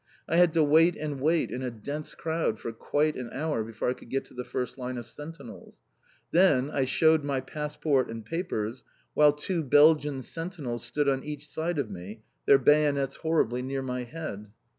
I had to wait and wait in a dense crowd for quite an hour before I could get to the first line of Sentinels. Then I shewed my passport and papers, while two Belgian sentinels stood on each side of me, their bayonets horribly near my head.